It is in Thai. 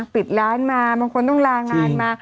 ปิดร้านมาบางคนต้องลางานมา